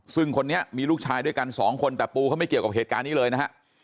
ซึ่งคนนี้มีลูกชายด้วยกันสองคนแต่ปูเขาไม่เกี่ยวกับเหตุการณ์นี้เลยนะฮะ